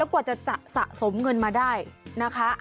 กว่าจะสะสมเงินมาได้นะคะ